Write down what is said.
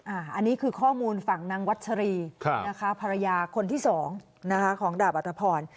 อันนี้คือข้อมูลฝั่งนางวัชรีนะคะภรรยาคนที่สองนะคะของดาบอัตภพร